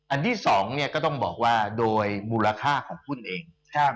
ที่๒ก็ต้องบอกว่าโดยมูลค่าของหุ้นเอง